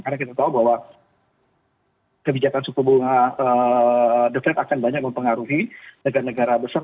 karena kita tahu bahwa kebijakan suku bunga default akan banyak mempengaruhi negara negara besar